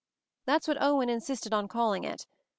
That's what Owen insisted on call ing it.